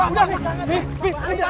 pak pak pak pak